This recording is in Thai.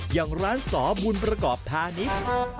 อย่างร้านสอบุญประกอบพาณิชย์